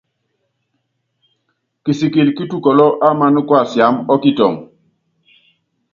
Kisikili kítukɔlɔ́ ámaná kuasiámá ɔ́kitɔŋɔ.